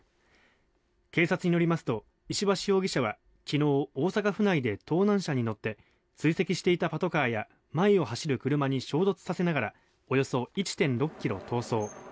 警察によりますと石橋容疑者は昨日、大阪府内で盗難車に乗って追跡していたパトカーや前を走る車に衝突させながらおよそ１．６ｋｍ逃走。